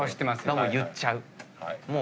もう言っちゃう。